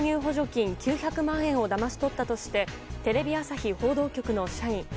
補助金９００万円をだまし取ったとしてテレビ朝日報道局の社員